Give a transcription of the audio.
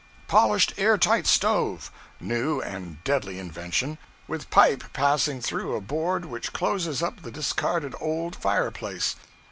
Polished air tight stove (new and deadly invention), with pipe passing through a board which closes up the discarded good old fireplace.